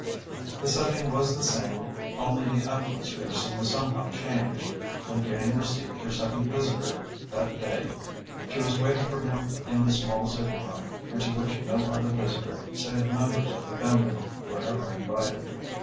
The setting was the same only the atmosphere seemed somehow changed when Jane received her second visitor that day. She was waiting for him in the small sitting room into which no other visitor save members of the family were ever invited.